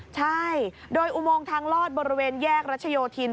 ใช่โดยอุโมงทางลอดบริเวณแยกรัชโยธิน